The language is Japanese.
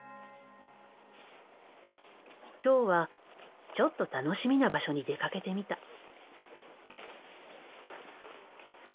今日はちょっと楽しみな場所に出かけてみた。